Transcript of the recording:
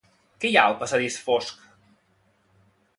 Què hi ha al passadís fosc?